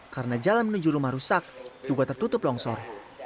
karena jalan menuju rumah rusak juga tertutup longsor